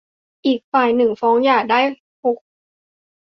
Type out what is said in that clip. อีกฝ่ายหนึ่งฟ้องหย่าได้ หก